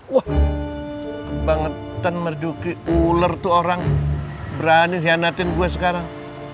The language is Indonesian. wah kebangetan marjuki ular tuh orang berani hianatin gue sekarang